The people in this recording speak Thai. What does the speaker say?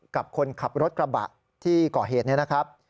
กับคนขับรถกระบะที่ก่อเหตุนี้นะครับ